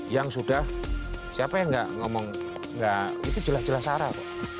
yang sudah siapa yang nggak ngomong itu jelas jelas arah kok